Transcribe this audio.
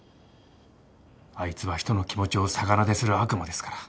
あいつは人の気持ちを逆なでする悪魔ですから。